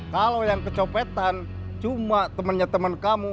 kalau yang kecopetan cuma temennya temen kamu